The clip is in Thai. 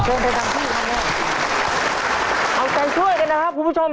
เอาแต่ช่วยกันนะครับคุณผู้ชม